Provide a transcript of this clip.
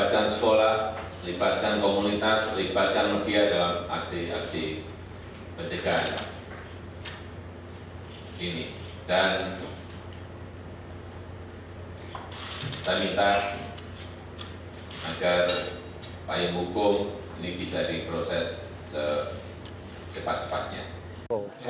dan saya minta agar payung hukum ini bisa diproses secepat cepatnya